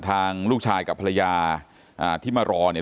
ทางลูกชายกับภรรยาที่มารอเนี่ย